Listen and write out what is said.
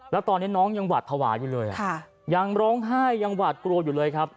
แล้วตอนนี้น้องยังหวาดภาวะอยู่เลยยังร้องไห้ยังหวาดกลัวอยู่เลยครับ